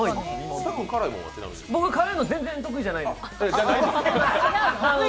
僕は辛いものは全然得意じゃないです。